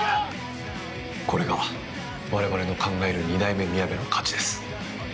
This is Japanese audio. これが我々の考える二代目みやべの価値です。